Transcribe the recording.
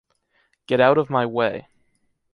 Get out of my way.